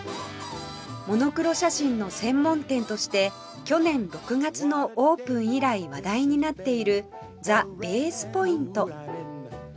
モノクロ写真の専門店として去年６月のオープン以来話題になっている ＴＨＥＢＡＳＥＰＯＩＮＴ